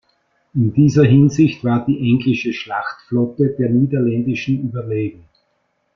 In dieser Hinsicht war die englische Schlachtflotte der niederländischen überlegen.